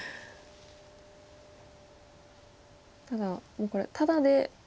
もうこれタダで。